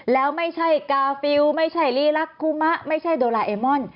แล้วไม่ใช่กาฟิลไม่ใช่ลีลักคุมะไม่ใช่โดราเอมอน